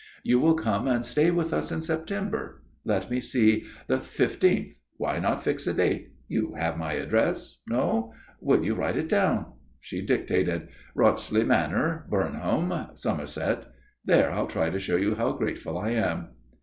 "You will come and stay with us in September. Let me see? The fifteenth. Why not fix a date? You have my address? No? Will you write it down?" she dictated: "Wrotesly Manor, Burnholme, Somerset. There I'll try to show you how grateful I am."